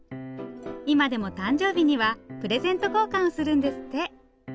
今でも誕生日にはプレゼント交換をするんですって。